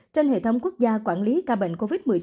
trên hệ thống quốc gia quản lý ca bệnh covid một mươi chín